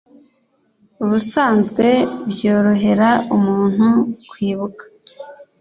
ubusanzwe, byorohera umuntu kwibuka